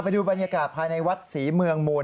ดูบรรยากาศภายในวัดศรีเมืองมูล